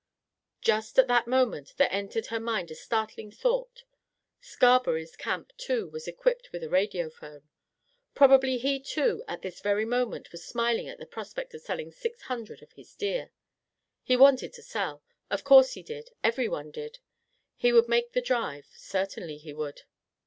Just at that moment there entered her mind a startling thought. Scarberry's camp, too, was equipped with a radio phone. Probably he, too, at this very moment, was smiling at the prospect of selling six hundred of his deer. He wanted to sell. Of course he did. Everyone did. He would make the drive. Certainly he would.